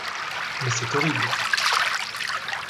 Mais c'est horrible!